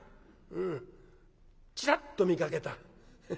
うんちらっと見かけた。